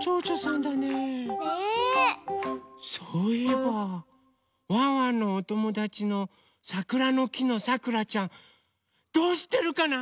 そういえばワンワンのおともだちのさくらのきのさくらちゃんどうしてるかな？